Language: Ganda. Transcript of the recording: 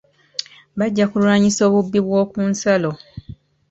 Bajja kulwanyisa obubbi bw'oku nsalo.